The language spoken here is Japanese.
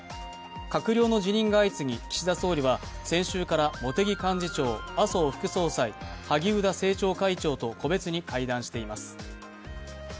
閣僚の辞任が相次ぎ、岸田総理は先週から茂木幹事長、麻生副総裁、萩生田政調会長と個別に会談しています。